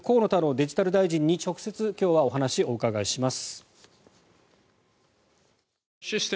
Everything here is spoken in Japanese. デジタル大臣に直接今日はお話をお伺いします。